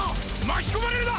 巻き込まれるな。